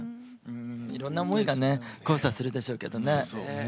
いろんな思いが交差するでしょうけどね。